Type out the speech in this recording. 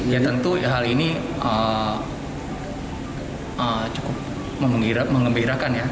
ya tentu hal ini cukup mengembirakan ya